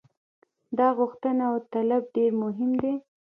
دا غوښتنه او طلب ډېر مهم دی.